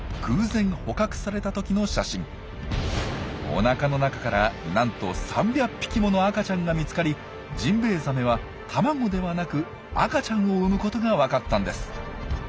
おなかの中からなんと３００匹もの赤ちゃんが見つかりジンベエザメは卵ではなく赤ちゃんを産むことが分かったんです。